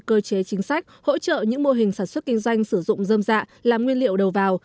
cơ chế chính sách hỗ trợ những mô hình sản xuất kinh doanh sử dụng dâm dạ làm nguyên liệu đầu vào